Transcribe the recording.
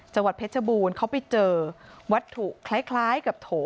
จังหวัดเพชรบูรณ์เขาไปเจอวัตถุคล้ายกับโถ